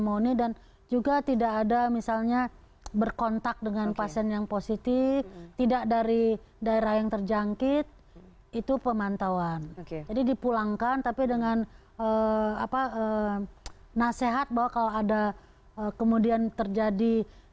menurut anda dan juga teman teman di